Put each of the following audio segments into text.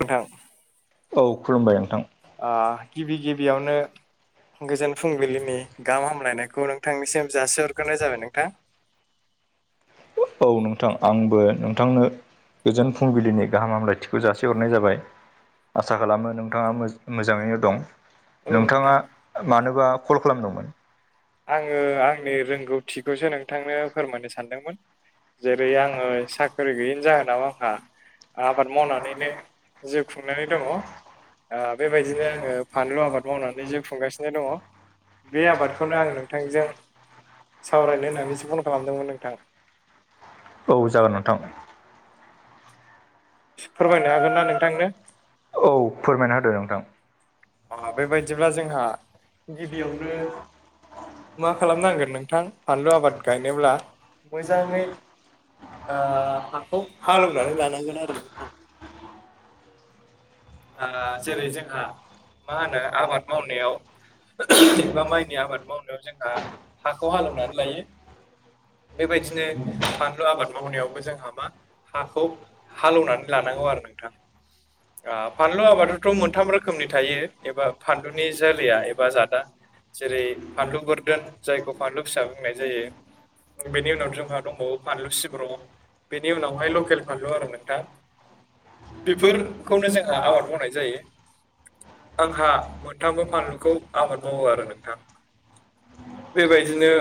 नोंथां औ ओ खुलुमबाय नोंथां गिबि गिबियावनो गोजोन फुंबिलिनि गाहाम हामलायनायखौ नोंथांनिसिम जासि हरग्रोनाय जाबाय नोंथां। औ नोंथां आंबो नोंथांनो गोजोन फुंबिलिनि गाहाम हामलायथिखौ जासिहरनाय जाबाय। आसा खालामो नोंथांङा मो मोजाङैनो दं। औ नोंथांङा नोंथां मानोबा कल खालामदोंमोन? आंङो आंनि रोंगौथिखौसो नोंथांनो फोरमायनो सानदोंमोन। जेरै आंङो साख्रि गैयिनि जाहोनाव आंहा आबाद मावनानैनो जिउ खुंनानै दंङ। ओ बेबायदिनो आंङो फानलु आबाद मावनानै जिउ खुंगासिनो दंङ बे आबाद खोनो आं नोंथांजों सावरायनो होननानैसो फन खालामदोंमोन नोंथां। औ जागोन नोंथां। फोरमायनो हागोन ना नोंथांनो? औ फोरमायना होदो नोंथां। ओ बेबायदिब्ला जोंहा गिबियावनो मा खालामनांगोन नोंथां फानलु आबाद गायनोब्ला मोजाङै ओ हाखौ हालौवनानै लानांगोन आरो नोंथां। [unintelligible] आ जेरै जोंहा मा होनो आबाद मावनायाव एबा माइनि आबाद मावनायाव जोंहा हाखौ हालेवनानै लायो। बेबायदिनो बानलु आबाद मावनायावबो जोंहा मा? हाखौ हालौवनानै लानांगौ आरो नोंथां। ओ फानलु आबादाथ' मोनथाम रोखोमनि थायो एबा फानलुनि जोलैया एबा जादआ। जेरै फानलु बोरदोन जायखौ फानलु फिसा बुंनाय जायो। बेनि उनाव जोंहा दंबावो फानलु सिब्र। बेनि उनावहाय लकेल फानलु आरो नोंथा बेफोरखौनो जोंहा आबाद मावनाय जायो। आंहा मोनथामबो फानलुखौ आबाद मावो नोंथां। बेबायदिनो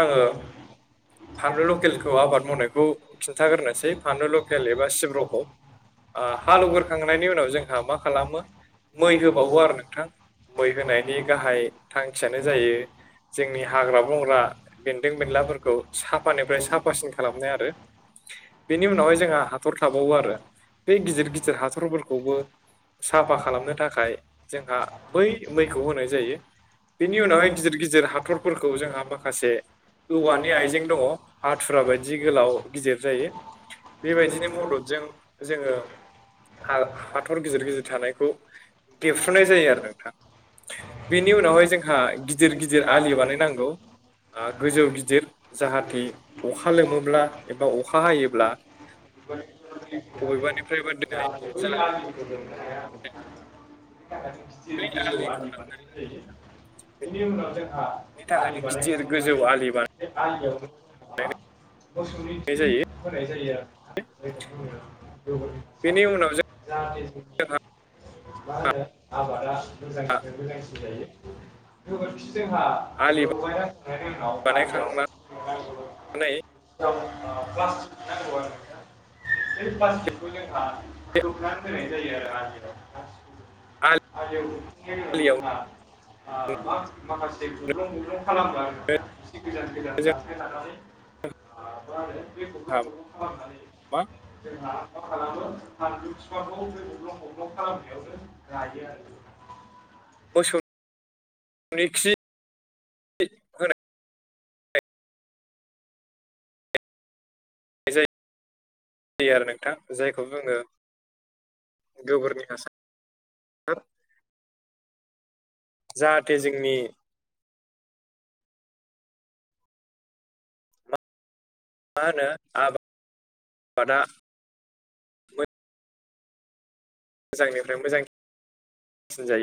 आङो फानलु लकेलखौ आबाद मावनायखौ खिन्थागोरनोसै फानलु लकेल एबा सिब्र'खौ। आ हालौवगोरखांनायनि उनाव जोंहा मा खालामो मै होबावो आरो नोंथां। मै होनाय बे गाहाय थांखियानो जायो जोंनि हाग्रा बंग्रा बेन्दों बेनलाफोरखौ साफानिफ्राय साफासिन खालामनाय आरो। बेनि उनावहाय जोंहा हाथर थाबावो आरो बे गिदिर गिदिर हाथरफोरखौबो साफा खालामनो थाखाय जोंहा बै मैखौ होनाय जायो। बेनि उनावहाय गिदिर गिदिर हाथरफोरखौ जोंहा माखासे औवानि आइजें दङ हाथुरा बायदि गोलाव गिदिर जायो। बेबायदिनो मददजों जोङो हाथर गिदिर गिदिर थानायखौ देरफ्रुनाय जायो आरो नोंथां [unintelligible] बेनि उनावहाय जोंहा गिदिर गिदिर आलि बानाय नांगौ। ओ गोजौ गिदिर जाहाथे आबादनि अखा गंफानि गंफा लोमोब्ला एबा अखा हायोब्ला बबेबानिफ्रायबो दोननाय [unintelligible] जा बै आदारखौ फोजोबनो हाया बेनि बे थाखायनो गोजौ आलिखौ लांनायनि गिदिर बेनि उनाव जोंहा आलि थाखायनो गिदिर गोजौ बानायखांनानै आलि बानायनाय बे आलियावनो मा मोसौनि खि जायो होनाय जायो आरोना जायखौ बुङो गोबोर। बिनि उनाव जों जाहाथे जोंनि मा होनो आबादा मोजांनिफ्राय मोजांसिन जायो। गोबोरखि जोंहा आलि बेफोरखौ लगायना होखांनायनि उनाव आलियाव बानायखांनानै औ ओ प्लासथिक नांगौ आरोना बै प्लासथिकखौ जों जोंहा बे खोबनानै दोननाय जायो आरोना। आलियाव खेंना आलियावनो दोनना ओ माखासे गब्लं गब्लं खालामबाय आरो एसे गोजान गोजान जानथाय लानानै ओ मा होनो बे गब्लं जोंहा गब्लं खालामनानै मा जोंहा खालामो फानलु फिफांखौ बे गब्लं गब्लं खालामनायावनो गायो आरो। मोसौ नि खि खि होनाय जायो आरो नोंथां जायखौ जोङो गोबोरनि हासा जाहाथे जोंनि मा होनो आबादा मोजांनिफ्राय मोजांसिन जायो।